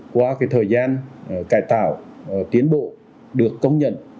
qua thời gian cải tạo tiến bộ được công nhận